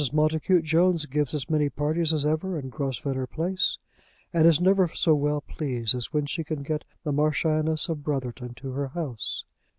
Montacute Jones gives as many parties as ever in Grosvenor Place, and is never so well pleased as when she can get the Marchioness of Brotherton to her house.